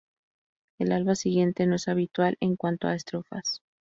El alba siguiente no es habitual en cuanto a estrofas.